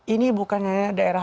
ini bukan hanya daerah